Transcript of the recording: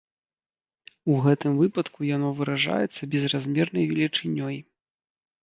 У гэтым выпадку яно выражаецца безразмернай велічынёй.